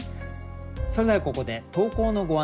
それではここで投稿のご案内です。